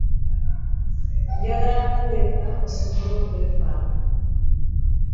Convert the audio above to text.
Njagala kuleka osobole okwefaako.